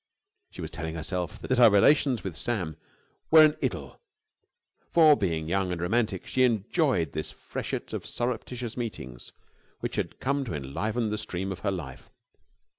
She was telling herself that her relations with Sam were an idyll; for, being young and romantic, she enjoyed this freshet of surreptitious meetings which had come to enliven the stream of her life.